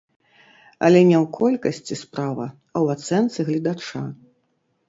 Але не ў колькасці справа, а ў ацэнцы гледача.